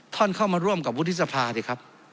เข้ามาร่วมกับวุฒิสภาสิครับ